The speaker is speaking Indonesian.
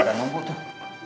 udah mampu tuh